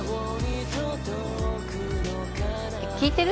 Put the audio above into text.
聞いてる？